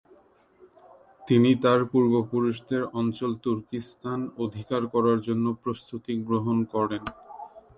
তিনি তার পূর্বপুরুষদের অঞ্চল তুর্কিস্তান অধিকার করার জন্য প্রস্তুতি গ্রহণ করেন।